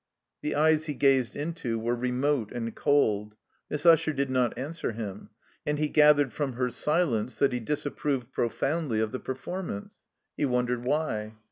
The eyes he gazed into were remote and cold. Miss Usher did not answer him. And he gathered from her silence that she disapproved profoimdly of the performance. He wondered why.